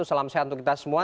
salam sehat untuk kita semua